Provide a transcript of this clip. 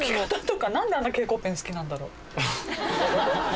なんであんな蛍光ペン好きなんだろう？